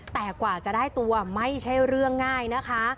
แต่กว่าจะได้ตัวไม่ใช่เรื่องง่ายนะคะ